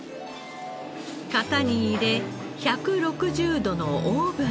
型に入れ１６０度のオーブンへ。